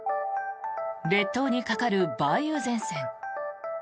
列島にかかる梅雨前線。